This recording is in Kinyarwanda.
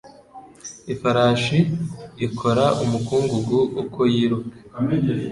Ifarashi ikora umukungugu uko yiruka.